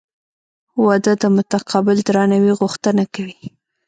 • واده د متقابل درناوي غوښتنه کوي.